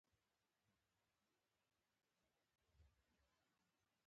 غوښتل مې چې هماغه پخوانۍ ټوکه بشپړه کړم.